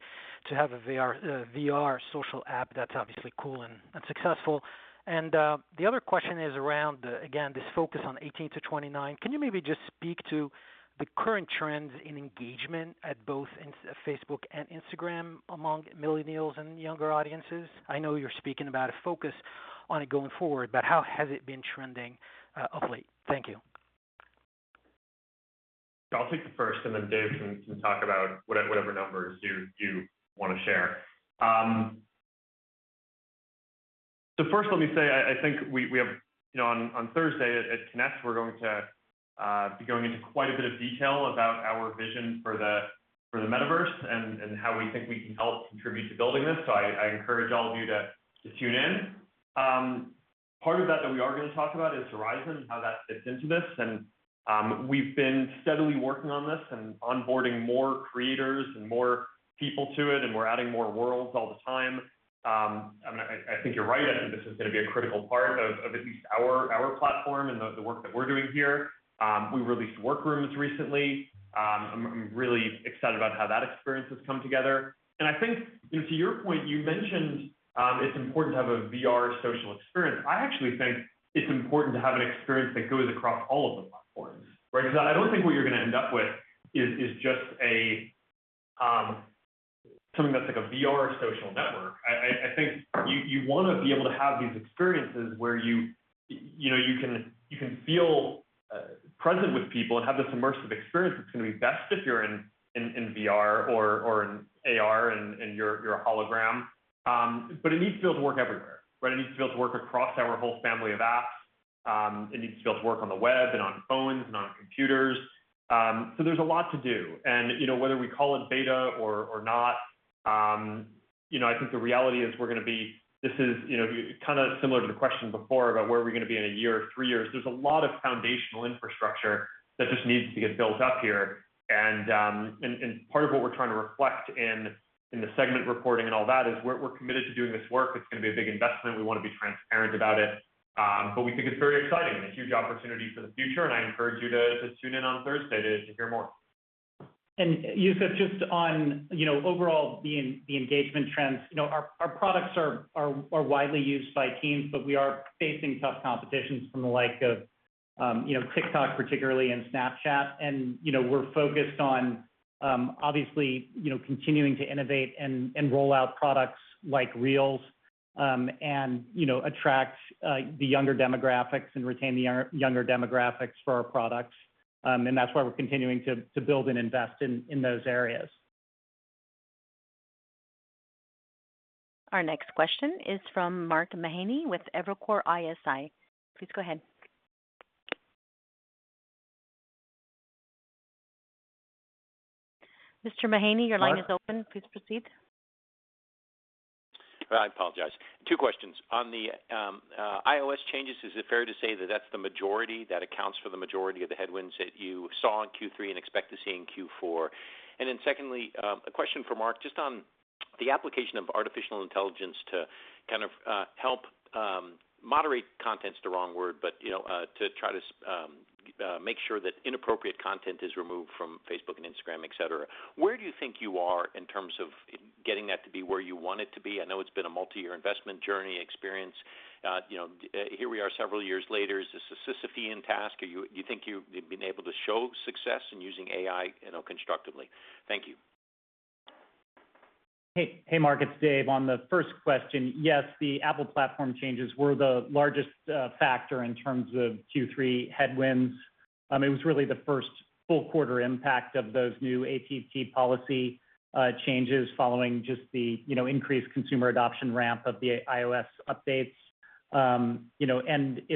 to have a VR social app that's obviously cool and successful. The other question is around, again, this focus on 18-29 years. Can you maybe just speak to the current trends in engagement at both Facebook and Instagram among millennials and younger audiences? I know you're speaking about a focus on it going forward, but how has it been trending of late? Thank you. I'll take the first, and then Dave can talk about whatever numbers you want to share. First let me say, I think on Thursday at Connect, we're going to be going into quite a bit of detail about our vision for the metaverse and how we think we can help contribute to building this. I encourage all of you to tune in. Part of that we are going to talk about is Horizon and how that fits into this. We've been steadily working on this and onboarding more creators and more people to it, and we're adding more worlds all the time. I think you're right. I think this is going to be a critical part of at least our platform and the work that we're doing here. We released Workrooms recently. I'm really excited about how that experience has come together. I think to your point, you mentioned it's important to have a VR social experience. I actually think it's important to have an experience that goes across all of the platforms. Right? I don't think what you're going to end up with is just something that's like a VR social network. I think you want to be able to have these experiences where you can feel present with people and have this immersive experience that's going to be best if you're in VR or in AR, in your hologram. It needs to be able to work everywhere, right? It needs to be able to work across our whole Family of Apps. It needs to be able to work on the web and on phones and on computers. There's a lot to do. Whether we call it beta or not, I think the reality is we're going to be similar to the question before about where are we going to be in a year or three years. There's a lot of foundational infrastructure that just needs to get built up here. Part of what we're trying to reflect in the segment reporting and all that is we're committed to doing this work. It's going to be a big investment. We want to be transparent about it. We think it's very exciting and a huge opportunity for the future, and I encourage you to tune in on Thursday to hear more. Youssef, just on overall the engagement trends. Our products are widely used by teens, but we are facing tough competition from the likes of TikTok particularly, and Snapchat. We're focused on, obviously, continuing to innovate and roll out products like Reels, and attract the younger demographics and retain the younger demographics for our products. That's why we're continuing to build and invest in those areas. Our next question is from Mark Mahaney with Evercore ISI. Please go ahead. Mr. Mahaney, your line is open. Please proceed. I apologize. Two questions. On the iOS changes, is it fair to say that that's the majority, that accounts for the majority of the headwinds that you saw in Q3 and expect to see in Q4? Then secondly, a question for Mark, just on the application of artificial intelligence to kind of help, moderate content's the wrong word, but to try to make sure that inappropriate content is removed from Facebook and Instagram, et cetera. Where do you think you are in terms of getting that to be where you want it to be? I know it's been a multi-year investment journey, experience. Here we are several years later. Is this a Sisyphean task? Do you think you've been able to show success in using AI constructively? Thank you. Hey, Mark, it's Dave. On the first question, yes, the Apple platform changes were the largest factor in terms of Q3 headwinds. It was really the first full quarter impact of those new ATT policy changes following just the increased consumer adoption ramp of the iOS updates. If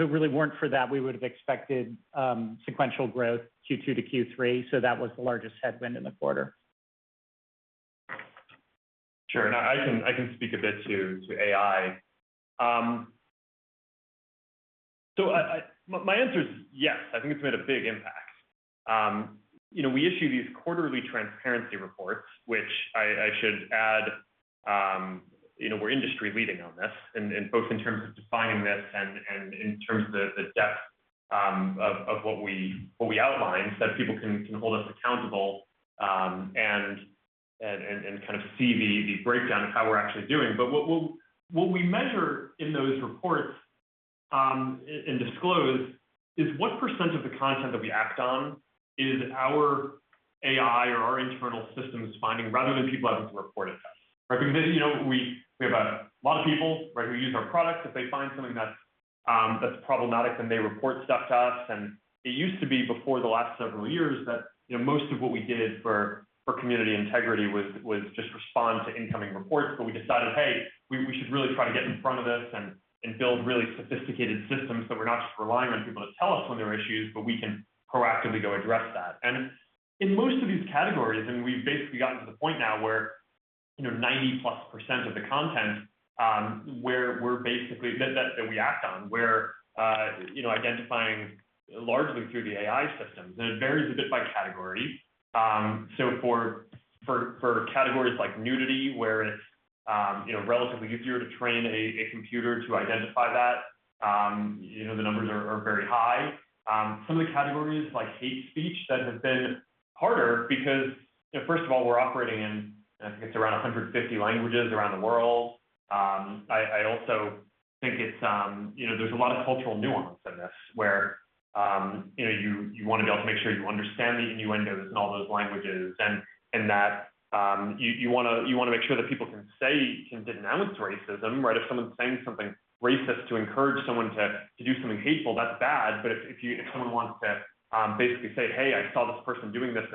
it really weren't for that, we would've expected sequential growth Q2 to Q3, so that was the largest headwind in the quarter. Sure. I can speak a bit to AI. My answer is yes, I think it's made a big impact. We issue these quarterly transparency reports, which I should add, we're industry leading on this, both in terms of defining this and in terms of the depth of what we outline, so that people can hold us accountable and kind of see the breakdown of how we're actually doing. What we measure in those reports, and disclose, is what percent of the content that we act on is our AI or our internal systems finding, rather than people having to report it to us, right? We have a lot of people, right, who use our products. If they find something that's problematic, they report stuff to us. It used to be, before the last several years, that most of what we did for community integrity was just respond to incoming reports. We decided, hey, we should really try to get in front of this and build really sophisticated systems so we're not just relying on people to tell us when there are issues, but we can proactively go address that. In most of these categories, and we've basically gotten to the point now where 90%+ of the content that we act on, we're identifying largely through the AI systems. It varies a bit by category. For categories like nudity, where it's relatively easier to train a computer to identify that, the numbers are very high. Some of the categories, like hate speech, that have been harder because, first of all, we're operating in, I think it's around 150 languages around the world. I also think there's a lot of cultural nuance in this, where you want to be able to make sure you understand the innuendos in all those languages, and that you want to make sure that people can denounce racism, right? If someone's saying something racist to encourage someone to do something hateful, that's bad. If someone wants to basically say, "Hey, I saw this person doing this,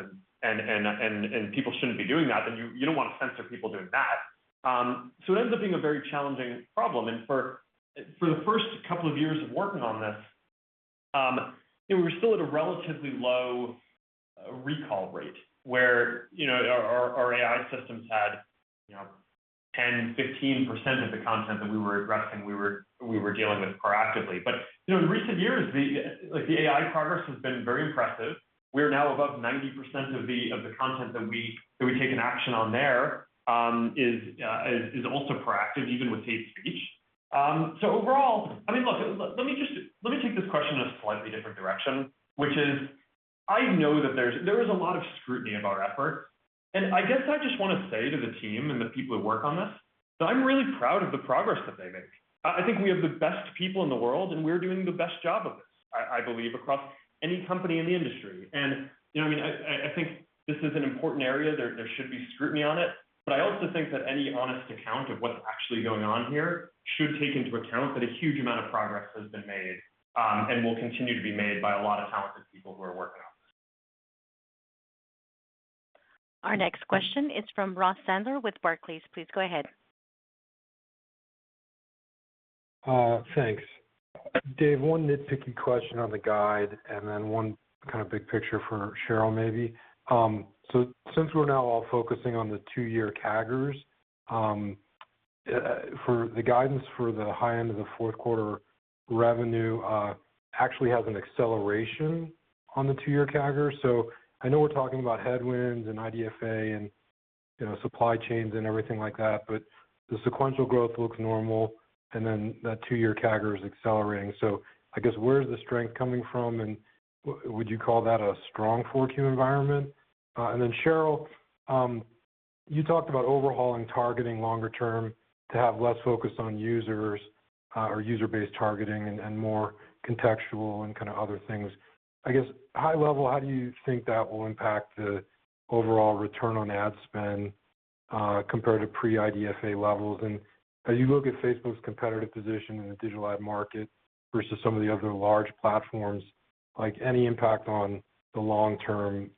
and people shouldn't be doing that," then you don't want to censor people doing that. It ends up being a very challenging problem. For the first couple of years of working on this, we were still at a relatively low recall rate where our AI systems had 10%-15% of the content that we were addressing, we were dealing with proactively. In recent years, the AI progress has been very impressive. We're now above 90% of the content that we take an action on there is also proactive, even with hate speech. Overall, look, let me take this question in a slightly different direction, which is, I know that there is a lot of scrutiny of our efforts. I guess I just want to say to the team and the people who work on this, that I'm really proud of the progress that they make. I think we have the best people in the world. We're doing the best job of this, I believe, across any company in the industry. I think this is an important area. There should be scrutiny on it. I also think that any honest account of what's actually going on here should take into account that a huge amount of progress has been made, and will continue to be made by a lot of talented people who are working on this. Our next question is from Ross Sandler with Barclays. Please go ahead. Thanks. Dave, one nitpicky question on the guide, and then one kind of big picture for Sheryl, maybe. Since we're now all focusing on the two-year CAGRs, for the guidance for the high end of the fourth quarter revenue actually has an acceleration on the two-year CAGR. I know we're talking about headwinds and IDFA and supply chains and everything like that, but the sequential growth looks normal, and then that two-year CAGR is accelerating. I guess where is the strength coming from? Would you call that a strong 4Q environment? Then Cheryl, you talked about overhauling targeting longer term to have less focus on users or user-based targeting and more contextual and kind of other things. I guess, high level, how do you think that will impact the overall return on ad spend compared to pre-IDFA levels? As you look at Facebook's competitive position in the digital ad market versus some of the other large platforms, any impact on the long term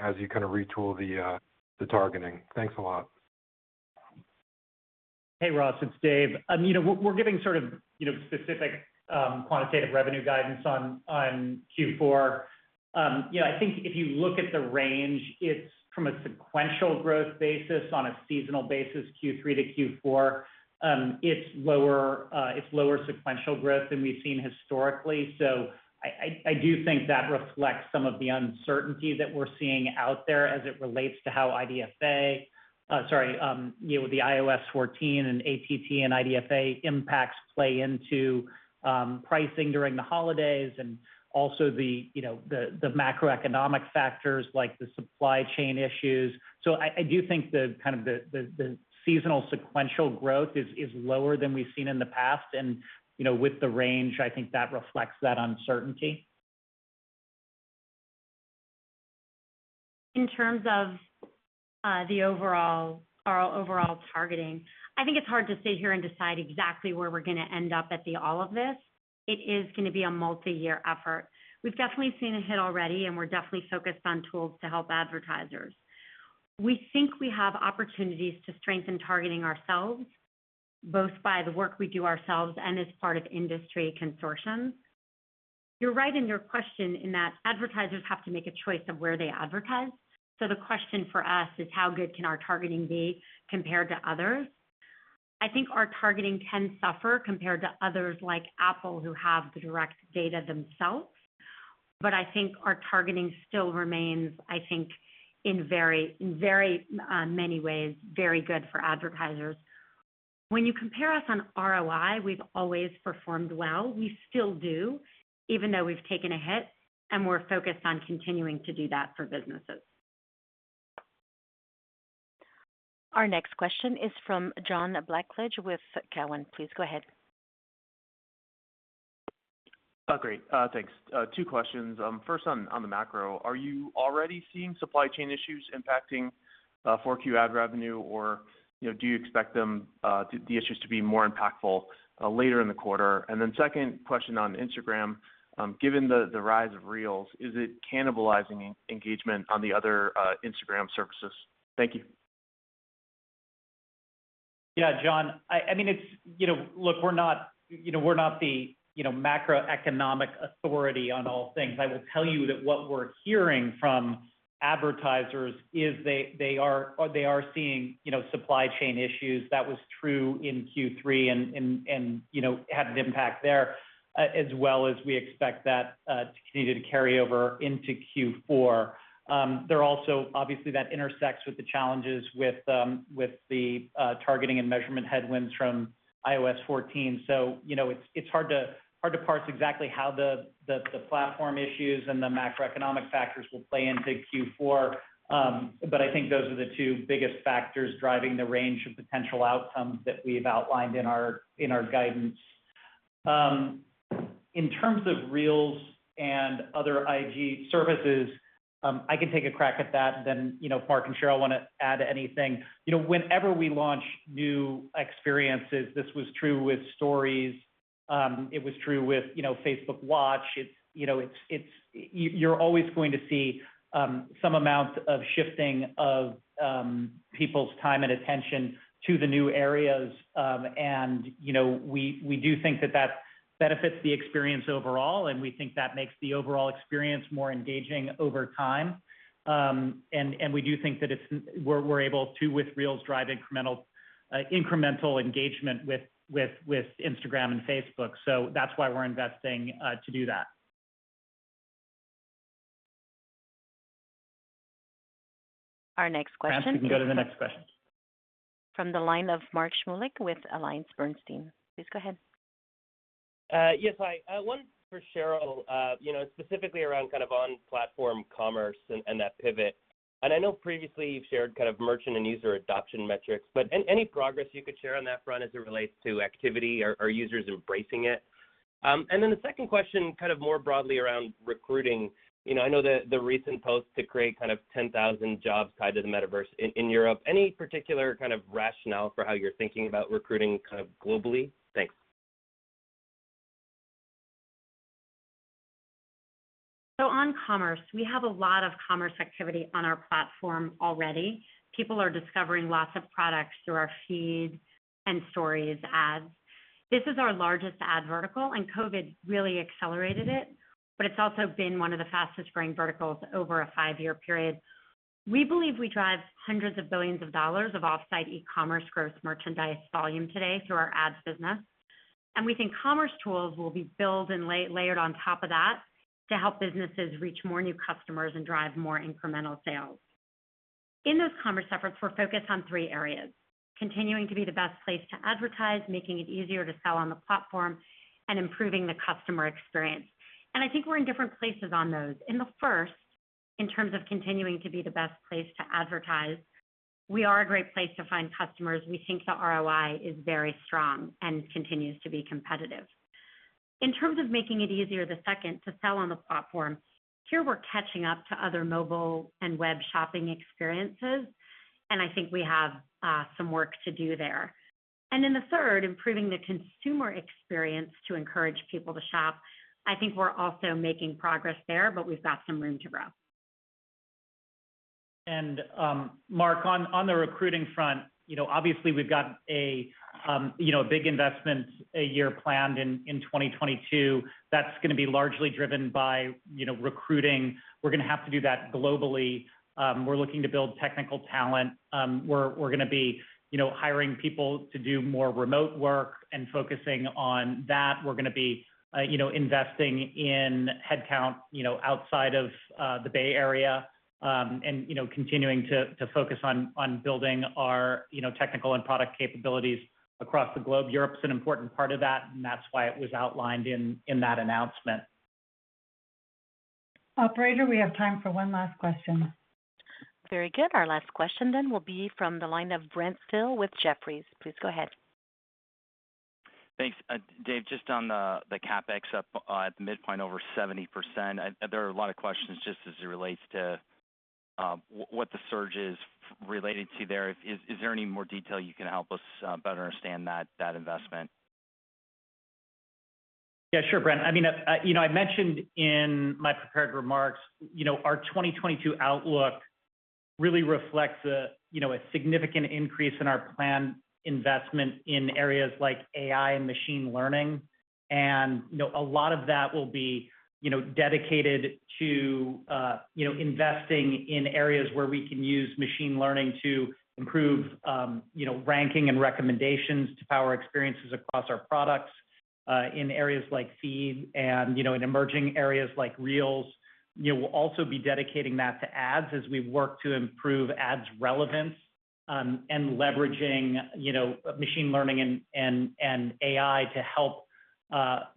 as you kind of retool the targeting? Thanks a lot. Hey, Ross, it's Dave. We're giving sort of specific quantitative revenue guidance on Q4. I think if you look at the range, it's from a sequential growth basis on a seasonal basis, Q3 to Q4. It's lower sequential growth than we've seen historically. I do think that reflects some of the uncertainty that we're seeing out there as it relates to how IDFA, sorry, the iOS 14 and ATT and IDFA impacts play into pricing during the holidays and also the macroeconomic factors like the supply chain issues. I do think the kind of seasonal sequential growth is lower than we've seen in the past. With the range, I think that reflects that uncertainty. In terms of our overall targeting, I think it's hard to sit here and decide exactly where we're going to end up at the all of this. It is going to be a multi-year effort. We've definitely seen a hit already, and we're definitely focused on tools to help advertisers. We think we have opportunities to strengthen targeting ourselves, both by the work we do ourselves and as part of industry consortiums. You're right in your question in that advertisers have to make a choice of where they advertise. The question for us is how good can our targeting be compared to others? I think our targeting can suffer compared to others like Apple who have the direct data themselves. I think our targeting still remains, I think in very many ways, very good for advertisers. When you compare us on ROI, we've always performed well. We still do, even though we've taken a hit, and we're focused on continuing to do that for businesses. Our next question is from John Blackledge with Cowen. Please go ahead. Great. Thanks. Two questions. First on the macro. Are you already seeing supply chain issues impacting 4Q ad revenue, or do you expect the issues to be more impactful later in the quarter? Second question on Instagram. Given the rise of Reels, is it cannibalizing engagement on the other Instagram services? Thank you. Yeah, John. Look, we're not the macroeconomic authority on all things. I will tell you that what we're hearing from advertisers is they are seeing supply chain issues. That was true in Q3 and had an impact there, as well as we expect that to continue to carry over into Q4. Obviously, that intersects with the challenges with the targeting and measurement headwinds from iOS 14. It's hard to parse exactly how the platform issues and the macroeconomic factors will play into Q4. I think those are the two biggest factors driving the range of potential outcomes that we've outlined in our guidance. In terms of Reels and other IG services, I can take a crack at that, and then Mark and Sheryl, if you want to add anything. Whenever we launch new experiences, this was true with Stories, it was true with Facebook Watch, you're always going to see some amount of shifting of people's time and attention to the new areas. We do think that benefits the experience overall, and we think that makes the overall experience more engaging over time. We do think that we're able to, with Reels, drive incremental engagement with Instagram and Facebook. That's why we're investing to do that. Our next question. France, you can go to the next question. From the line of Mark Shmulik with AllianceBernstein. Please go ahead. Yes, hi. One for Sheryl, specifically around on-platform commerce and that pivot. I know previously you've shared merchant and user adoption metrics, but any progress you could share on that front as it relates to activity? Are users embracing it? The second question, more broadly around recruiting. I know the recent post to create 10,000 jobs tied to the Metaverse in Europe. Any particular rationale for how you're thinking about recruiting globally? Thanks. On commerce, we have a lot of commerce activity on our platform already. People are discovering lots of products through our feed and Stories ads. This is our largest ad vertical, and COVID really accelerated it, but it's also been one of the fastest-growing verticals over a fice-year period. We believe we drive hundreds of billions of dollars off-site e-commerce gross merchandise volume today through our ads business. We think commerce tools will be built and layered on top of that to help businesses reach more new customers and drive more incremental sales. In those commerce efforts, we're focused on three areas: continuing to be the best place to advertise, making it easier to sell on the platform, and improving the customer experience. I think we're in different places on those. In the first, in terms of continuing to be the best place to advertise, we are a great place to find customers. We think the ROI is very strong and continues to be competitive. In terms of making it easier, the second, to sell on the platform, here we're catching up to other mobile and web shopping experiences, and I think we have some work to do there. In the third, improving the consumer experience to encourage people to shop, I think we're also making progress there, but we've got some room to grow. Mark, on the recruiting front, obviously we've got a big investment year planned in 2022 that's going to be largely driven by recruiting. We're going to have to do that globally. We're looking to build technical talent. We're going to be hiring people to do more remote work and focusing on that. We're going to be investing in headcount outside of the Bay Area and continuing to focus on building our technical and product capabilities across the globe. Europe's an important part of that, and that's why it was outlined in that announcement. Operator, we have time for one last question. Very good. Our last question will be from the line of Brent Thill with Jefferies. Please go ahead. Thanks. Dave, just on the CapEx up at the midpoint over 70%. There are a lot of questions just as it relates to what the surge is related to there. Is there any more detail you can help us better understand that investment? Yeah, sure, Brent. I mentioned in my prepared remarks, our 2022 outlook really reflects a significant increase in our planned investment in areas like AI and machine learning, and a lot of that will be dedicated to investing in areas where we can use machine learning to improve ranking and recommendations to power experiences across our products in areas like feed and in emerging areas like Reels. We'll also be dedicating that to ads as we work to improve ads relevance and leveraging machine learning and AI to help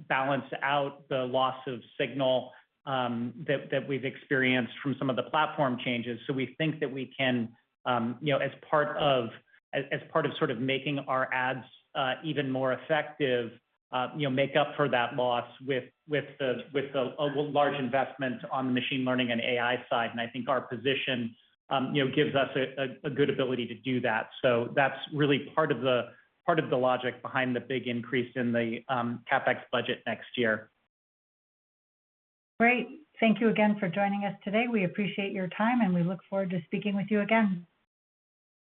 balance out the loss of signal that we've experienced from some of the platform changes. We think that we can, as part of sort of making our ads even more effective, make up for that loss with a large investment on the machine learning and AI side. I think our position gives us a good ability to do that. That's really part of the logic behind the big increase in the CapEx budget next year. Great. Thank you again for joining us today. We appreciate your time, and we look forward to speaking with you again.